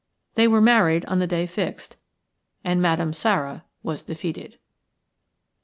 They were married on the day fixed, and Madame Sara was defeated.